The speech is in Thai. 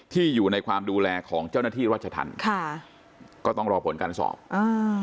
อยู่ในความดูแลของเจ้าหน้าที่รัชธรรมค่ะก็ต้องรอผลการสอบอ่า